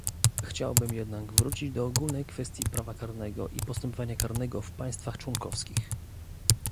Chciałbym jednak wrócić do ogólnej kwestii prawa karnego i postępowania karnego w państwach członkowskich